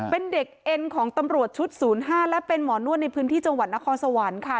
เป็นเด็กเอ็นของตำรวจชุด๐๕และเป็นหมอนวดในพื้นที่จังหวัดนครสวรรค์ค่ะ